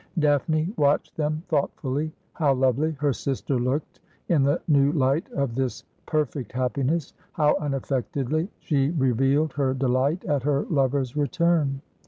Daphne watched them thoughtfully. How lovely her sister looked in the new light of this perfect happiness — how un affectedly she revealed her delight at her lover's return